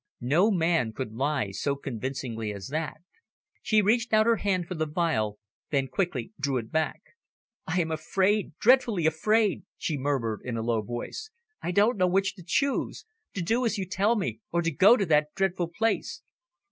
No man could lie so convincingly as that. She reached out her hand for the phial, then quickly drew it back. "I am afraid, dreadfully afraid," she murmured in a low voice. "I don't know which to choose to do as you tell me, or to go to that dreadful place."